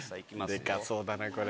デカそうだなこれ。